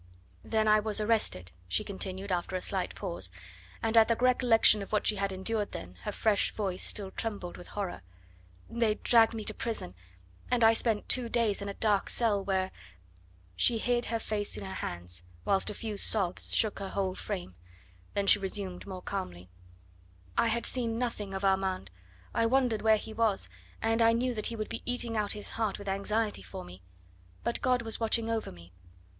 "Then I was arrested," she continued after a slight pause, and at the recollection of what she had endured then her fresh voice still trembled with horror. "They dragged me to prison, and I spent two days in a dark cell, where " She hid her face in her hands, whilst a few sobs shook her whole frame; then she resumed more calmly: "I had seen nothing of Armand. I wondered where he was, and I knew that he would be eating out his heart with anxiety for me. But God was watching over me.